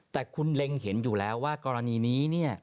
แต่คุณเล็งเห็นอยู่แล้วว่ากรณีนี้